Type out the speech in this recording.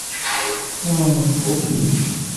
উম, উফ।